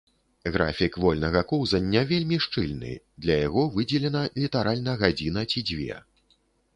Графік вольнага коўзання вельмі шчыльны, для яго выдзелена літаральна гадзіна ці дзве.